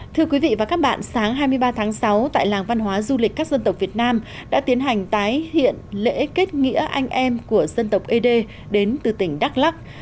thưa quý vị và các bạn sáng hai mươi ba tháng sáu tại làng văn hóa du lịch các dân tộc việt nam đã tiến hành tái hiện lễ kết nghĩa anh em của dân tộc ế đê đến từ tỉnh đắk lắc